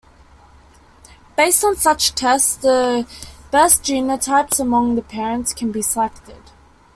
Based on such tests the best genotypes among the parents can be selected.